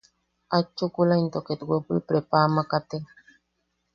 Aet chukula into ket wepul prepa ama katek.